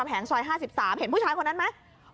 คำแห่งคำแห่ง๕๓เห็นผู้ชายคนนั้นไหม